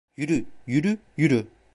Yürü, yürü, yürü!